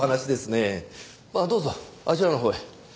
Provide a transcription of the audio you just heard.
まあどうぞあちらのほうへ。